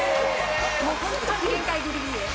もうホントに限界ギリギリです。